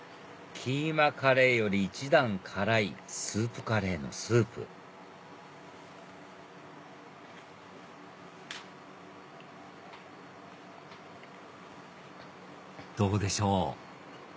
キーマカレーより１段辛いスープカレーのスープどうでしょう？